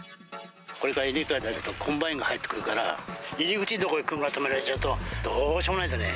これから稲刈りで、コンバインが入ってくるから、入り口の所に車止められちゃうと、どうしようもないんですよね。